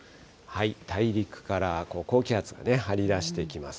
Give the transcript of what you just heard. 大陸から高気圧が張り出してきます。